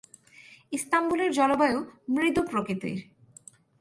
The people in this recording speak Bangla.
ইস্তাম্বুলের জলবায়ু মৃদু প্রকৃতির।